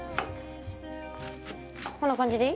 こんな感じでいい？